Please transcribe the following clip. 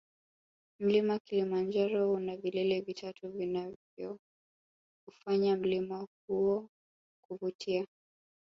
mlima kilimanjaro una vilele vitatu vinavyoufanya mlima huo kuvutia sana